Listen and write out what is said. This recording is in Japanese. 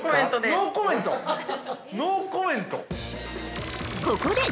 ◆ノーコメントで。